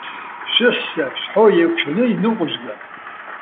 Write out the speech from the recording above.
Шәыҳәса шәҳәоу еиқәшәаны иныҟәыжәга.